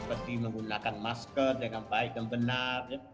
seperti menggunakan masker dengan baik dan benar